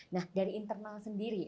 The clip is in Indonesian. nah dari internal sendiri